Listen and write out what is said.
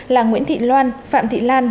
là nguyễn thị loan phạm thị lan